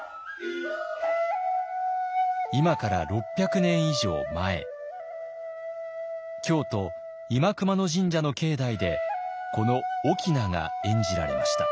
今から６００年以上前京都新熊野神社の境内でこの「翁」が演じられました。